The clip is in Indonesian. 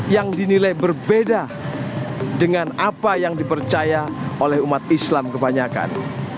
yang dinilai berbeda dengan apa yang dipercaya oleh umat islam kebanyakan